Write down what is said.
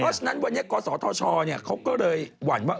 เพราะฉะนั้นวันนี้กศธชเขาก็เลยหวั่นว่า